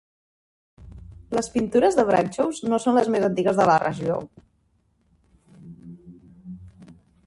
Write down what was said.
Les pintures de Bradshaws no són les més antigues de la regió.